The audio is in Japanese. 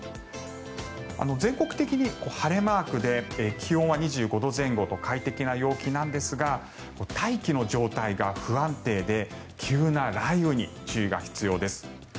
全国的に晴れマークで気温は２５度前後と快適な陽気なんですが大気の状態が不安定で急な雷雨に注意が必要です。